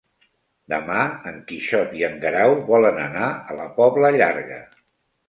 Demà en Quixot i en Guerau volen anar a la Pobla Llarga.